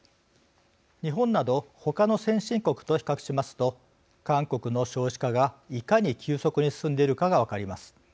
日本など他の先進国と比較しますと韓国の少子化がいかに急速に進んでいるかが分かります。